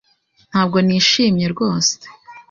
Ntabwo nishimye rwose.